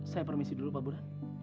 saya permisi dulu pak burhan